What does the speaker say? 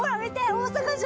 大阪城！